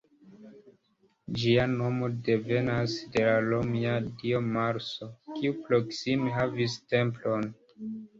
Ĝia nomo devenas de la romia dio Marso, kiu proksime havis templon.